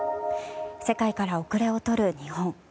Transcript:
世界から後れを取る日本。